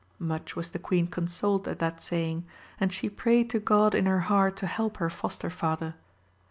Much was the queen consoled at that saying, and she prayed to God in her heart to help her foster father.